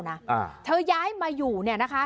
สุดทนแล้วกับเพื่อนบ้านรายนี้ที่อยู่ข้างกัน